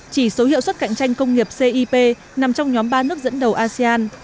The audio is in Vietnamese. chỉ số hiệu suất cạnh tranh công nghiệp cip nằm trong nhóm ba nước dẫn đầu asean